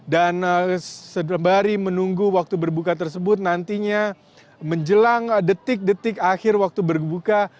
dan sedemari menunggu waktu berbuka tersebut nantinya menjelang detik detik akhir waktu berbuka